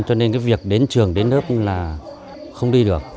cho nên việc đến trường đến nước là không đi được